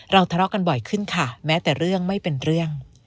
ทะเลาะกันบ่อยขึ้นค่ะแม้แต่เรื่องไม่เป็นเรื่อง